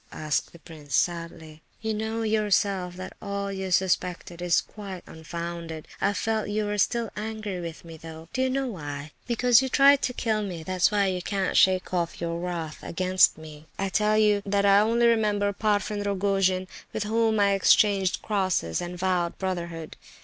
asked the prince, sadly. "You know yourself that all you suspected is quite unfounded. I felt you were still angry with me, though. Do you know why? Because you tried to kill me—that's why you can't shake off your wrath against me. I tell you that I only remember the Parfen Rogojin with whom I exchanged crosses, and vowed brotherhood.